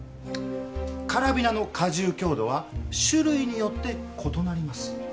カラビナの荷重強度は種類によって異なります。